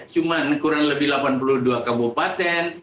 cuma kurang lebih delapan puluh dua kabupaten